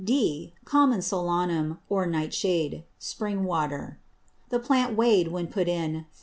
(D.) Common Solanum, or Night shade: Spring water. The Plant weigh'd, when put in, Gr.